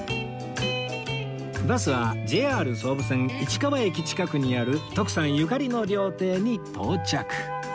バスは ＪＲ 総武線市川駅近くにある徳さんゆかりの料亭に到着